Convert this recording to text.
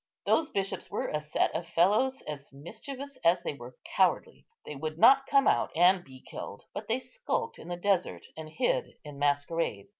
Those bishops were a set of fellows as mischievous as they were cowardly; they would not come out and be killed, but they skulked in the desert, and hid in masquerade.